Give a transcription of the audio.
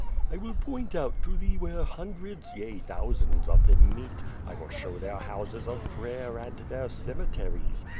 I will point out to thee where hundreds, yea, thousands of them meet. I will show their houses of prayer, and their cemeteries.